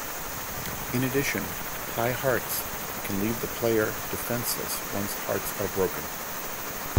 In addition, high hearts can leave the player defenseless once hearts are broken.